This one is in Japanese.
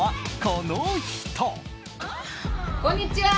こんにちは！